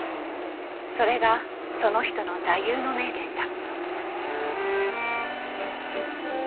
それがその人の座右の銘でした。